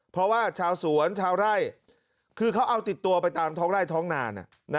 เพราะว่าชาวสวนชาวไร่คือเขาเอาติดตัวไปตามท้องไร่ท้องนาน